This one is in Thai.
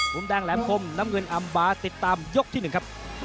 ภูมิแดงแหลมคมน้ำเงินอัมบาติดตามยกที่หนึ่งครับ